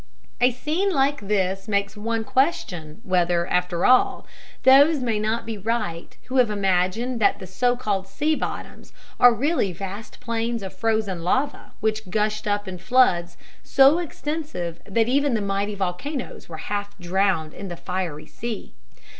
A scene like this makes one question whether, after all, those may not be right who have imagined that the so called sea bottoms are really vast plains of frozen lava which gushed up in floods so extensive that even the mighty volcanoes were half drowned in the fiery sea.